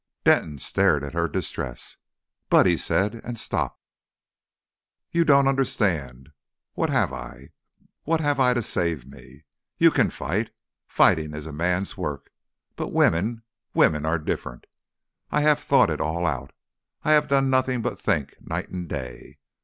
Denton stared at her distress. "But " he said and stopped. "You don't understand. What have I? What have I to save me? You can fight. Fighting is man's work. But women women are different.... I have thought it all out, I have done nothing but think night and day.